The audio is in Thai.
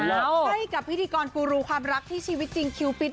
ให้กับพิธีกรกูรูความรักที่ชีวิตจริงคิวปิด